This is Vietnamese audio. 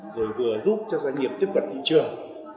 rồi vừa giúp cho doanh nghiệp tiếp cận thị trường